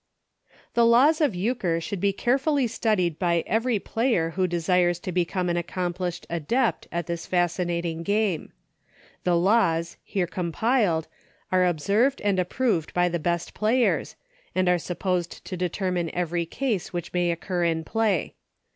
The Laws of Euchre should be carefully studied by every player who desires to be come an accomplished adept in this fascinating game. The laws, here compiled, are observed and approved by the best players, and are supposed to determine every case which may occur in play.